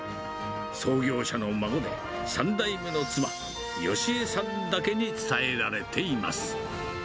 創業者の孫で、３代目の妻、よし江さんにだけ伝えられています。